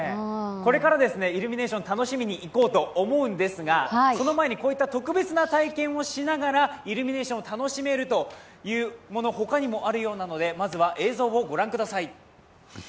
これからイルミネーション楽しみにいこうと思うんですがその前に、こういった特別な体験をしながらイルミネーションを楽しめるというもの、他にもあるようなのでまずは映像をご覧ください。